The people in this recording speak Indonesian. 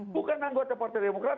bukan anggota partai demokrat